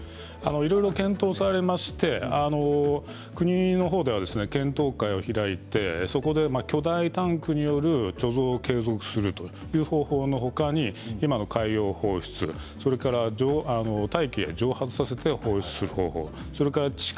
いろいろ検討されまして国では検討会を開いてそこで巨大タンクによる貯蔵を継続するという方法の他に今の海洋放出、それから大気へ蒸発させて放出する方法